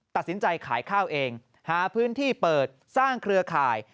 ตัดสินใจขายข้าวเองหาพื้นที่เปิดสร้างเครือข่าย